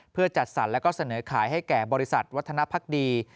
เพื่อจัดสรรแล้วก็เสนอขายให้แก่บริษัทวัฒนภักดี